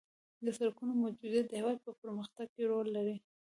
د سرکونو موجودیت د هېواد په پرمختګ کې رول لري